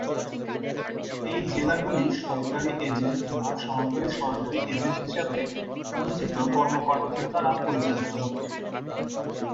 এই জেলাগুলি সরকারী এজেন্ট বা সহকারী সরকারী এজেন্ট হিসাবে পরিচিত কর্মকর্তাদের দ্বারা পরিচালিত হত।